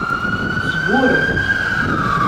Sburr.